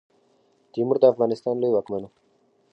تیمور د افغانستان لوی واکمن وو.